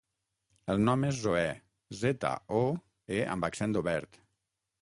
El nom és Zoè: zeta, o, e amb accent obert.